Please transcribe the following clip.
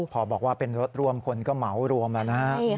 พอบอกว่าเป็นรถร่วมคนก็เหมารวมแล้วนะฮะ